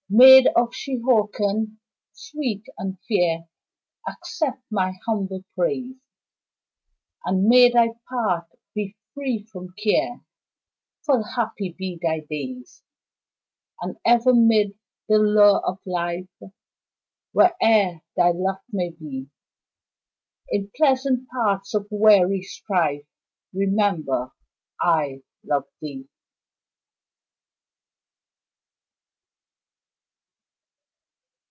Maid of Shehawken, sweet and fair, Accept my humble praise, And may thy path be free from care, Full happy be thy days, And ever mid the lure of life Where e'er thy lot may be, In pleasant paths or weary strife Remember, I love thee.